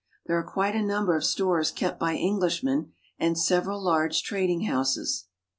There are quite a number of stores kept by Englishmen and several large trading houses.